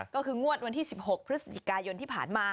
ก็คืองวดวันที่๑๖พฤศจิกายนที่ผ่านมา